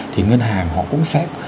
thì ngân hàng họ cũng sẽ có các